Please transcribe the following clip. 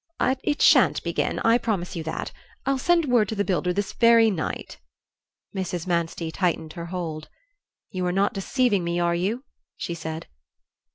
"It shan't begin, I promise you that; I'll send word to the builder this very night." Mrs. Manstey tightened her hold. "You are not deceiving me, are you?" she said.